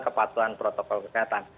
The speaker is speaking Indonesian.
jadi dki sendiri juga mengalami penurunan